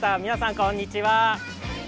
こんにちは！